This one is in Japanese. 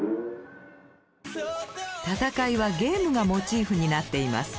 戦いはゲームがモチーフになっています。